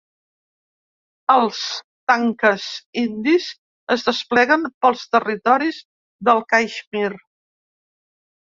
Els tanques indis es despleguen pels territoris del Caixmir